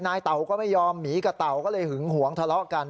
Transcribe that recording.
เต่าก็ไม่ยอมหมีกับเต่าก็เลยหึงหวงทะเลาะกัน